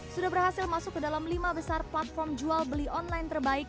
sudah berhasil masuk ke dalam lima besar platform jual beli online terbaik